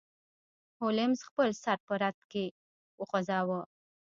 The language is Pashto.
هولمز خپل سر په رد کې وخوزاوه.